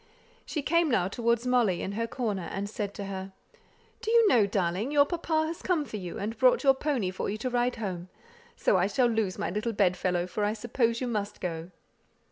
She came now towards Molly, in her corner, and said to her, "Do you know, darling, your papa has come for you, and brought your pony for you to ride home; so I shall lose my little bedfellow, for I suppose you must go?"